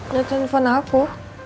liat handphone aku